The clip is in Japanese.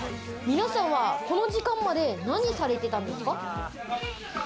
皆さんは、この時間まで何されてたんですか？